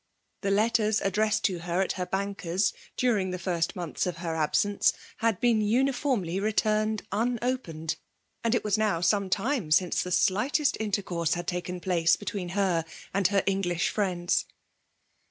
The letters addressed to. her. at her banker's during the first months^ of. her absence, had been uniformly returned unopened; and it was. now some time since the slighteet. intercourse had taken place between her and her English friends.